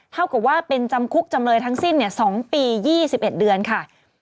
เท่ากับว่าเป็นจำคุกจำเลยทั้งสิ้น๒ปี๒๑เดือนค่ะ